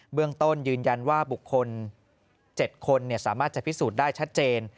เรื่องต้นยืนยันว่าบุคคล๗คนสามารถจะพิสูจน์ได้ชัดเจน